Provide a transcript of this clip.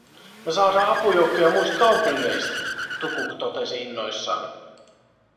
"Me saadaa apujoukkoja muist kaupungeist", Tukuk totesi innoissaan.